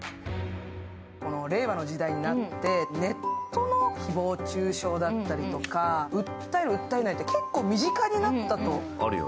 この令和の時代になってネットの誹謗中傷だったりとか訴える、訴えないって結構身近になったと。